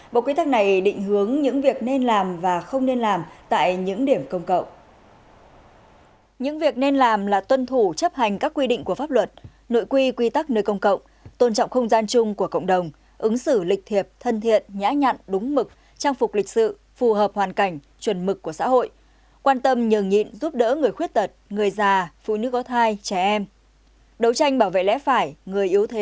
bộ quy tắc này định hướng những việc nên làm và không nên làm tại những điểm công cộng